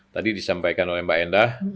tadi disampaikan oleh mbak endah